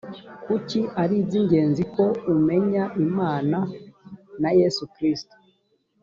kuki ari iby ingenzi ko umenya imana na yesu kristo